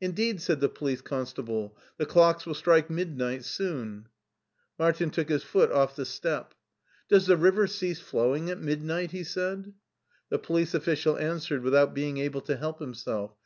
"Indeed/* said the police constable, "the docks will strike midnight soon/' Martin took his foot off the step. "Does the river cease flowing at midnight?" he said. The police official answered without being able to help himself.